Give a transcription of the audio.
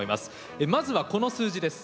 まずはこの数字です。